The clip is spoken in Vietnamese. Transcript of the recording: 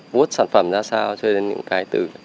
vốt sản phẩm ra sao cho đến những cái từ